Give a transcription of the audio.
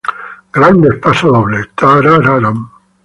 Grandes pasodobles